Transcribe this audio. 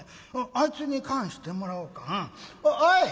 あいつに燗してもらおうか。